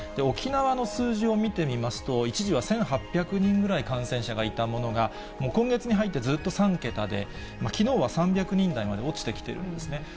沖縄の数字を見てみますと、一時は１８００人ぐらい感染者がいたものが、今月に入ってずっと３桁で、きのうは３００人台まで落ちてきているんですね。